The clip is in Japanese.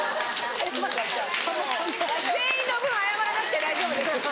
全員の分謝らなくて大丈夫です。